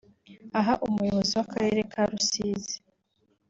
Aha Umuyobozi w’Akarere ka Rusizi